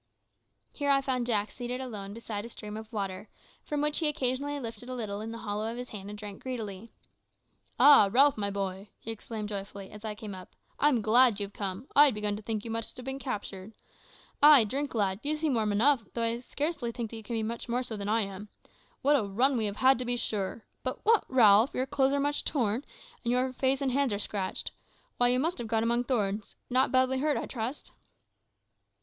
Here I found Jack seated alone beside a stream of water, from which he occasionally lifted a little in the hollow of his hand and drank greedily. "Ah, Ralph, my boy!" he exclaimed joyfully as I came up, "I'm glad you've come. I had begun to fear that you must have been captured. Ay, drink, lad! You seem warm enough, though I scarcely think you can be much more so than I am. What a run we have had, to be sure! But, what, Ralph your clothes are much torn, and your face and hands are scratched. Why, you must have got among thorns. Not badly hurt, I trust?"